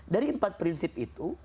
dari empat prinsip itu